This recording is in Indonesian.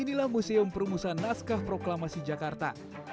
inilah museum perumusan naskah proklamasi jakarta